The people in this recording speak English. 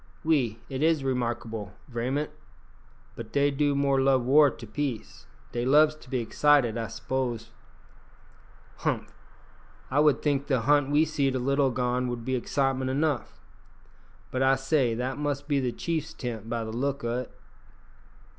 "Oui, it is remarkaibel, vraiment. Bot dey do more love war to peace. Dey loves to be excit ed, I s'pose." "Humph! One would think the hunt we seed a little agone would be excitement enough. But, I say, that must he the chiefs tent, by the look o't."